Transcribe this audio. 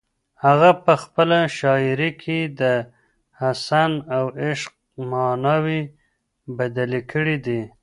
هغه په خپله شاعري کې د حسن او عشق ماناوې بدلې کړې دي.